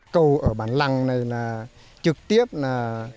câu ở bản lăng này là trực tiếp là